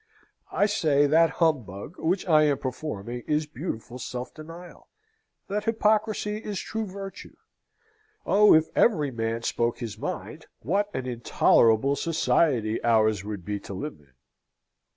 I say that humbug which I am performing is beautiful self denial that hypocrisy is true virtue. Oh, if every man spoke his mind what an intolerable society ours would be to live in!